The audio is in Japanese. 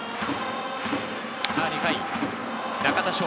さぁ２回、中田翔。